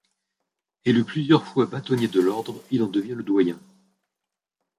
Élu plusieurs fois bâtonnier de l’ordre, il en devient le doyen.